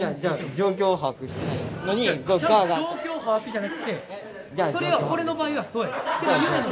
状況把握じゃなくてそれは俺の場合はそうやで。